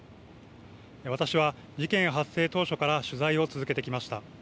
私は、事件発生当初から取材を続けてきました。